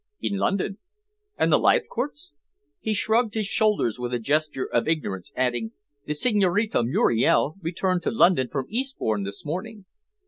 "In London." "And the Leithcourts?" He shrugged his shoulders with a gesture of ignorance, adding: "The Signorina Muriel returned to London from Eastbourne this morning."